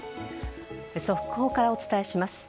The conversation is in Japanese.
速報からお伝えします。